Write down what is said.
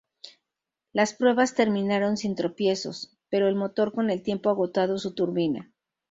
Las pruebas terminaron sin tropiezos, pero el motor con el tiempo agotado su turbina.